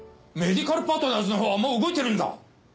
メディカルパートナーズのほうはもう動いてるんだ。